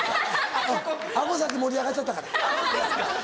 さっき盛り上がっちゃったから。